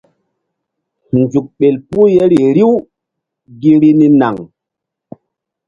Nzuk ɓel puh yeri riw gi vbi ni naŋ.